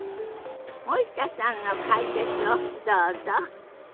森田さんの解説をどうぞ。